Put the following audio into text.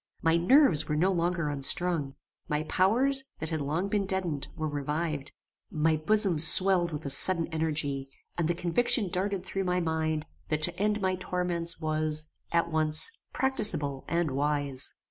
My nerves were no longer unstrung. My powers, that had long been deadened, were revived. My bosom swelled with a sudden energy, and the conviction darted through my mind, that to end my torments was, at once, practicable and wise.